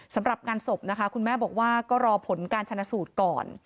สำหรับงานศพนะคะคุณแม่บอกว่าก็รอผลการชนะสูตรก่อน